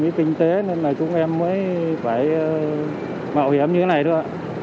nghĩa tinh tế nên là chúng em mới phải mạo hiểm như thế này thôi ạ